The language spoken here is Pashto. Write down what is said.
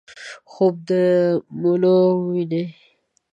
خوب دمڼو وویني